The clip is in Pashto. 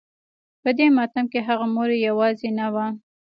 په دې ماتم کې هغه مور يوازې نه وه.